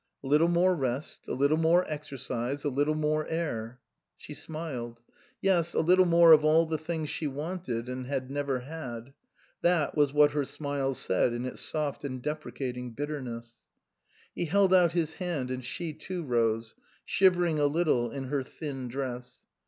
A little more rest a little more exercise a little more air " She smiled. Yes, a little more of all the things she wanted and had never had. That was what her smile said in its soft and depre cating bitterness. He held out his hand, and she too rose, shivering a little in her thin dress.